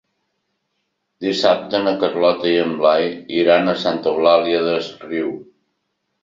Dissabte na Carlota i en Blai iran a Santa Eulària des Riu.